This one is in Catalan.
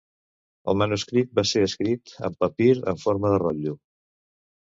El manuscrit va ser escrit en papir en forma de rotllo.